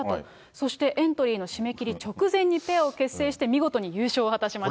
そしてエントリーの締め切り直前にペアを結成して、見事に優勝を果たしました。